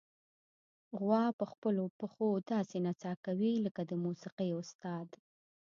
غوا په خپلو پښو داسې نڅا کوي لکه د موسیقۍ استاد.